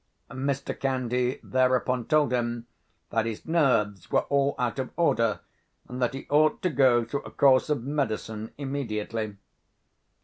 Mr. Candy thereupon told him that his nerves were all out of order and that he ought to go through a course of medicine immediately.